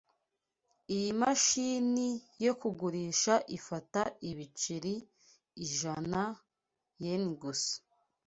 Iyi mashini yo kugurisha ifata ibiceri ijana-yen gusa.